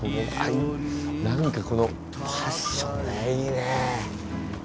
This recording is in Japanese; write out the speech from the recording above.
何かこの「パッション」ねいいね。